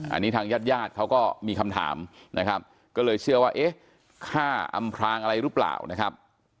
อันนี้ทางญาติญาติเขาก็มีคำถามนะครับก็เลยเชื่อว่าเอ๊ะฆ่าอำพรางอะไรหรือเปล่านะครับ